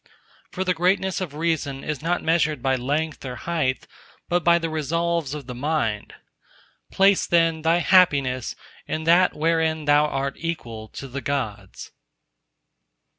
For the greatness of Reason is not measured by length or height, but by the resolves of the mind. Place then thy happiness in that wherein thou art equal to the Gods.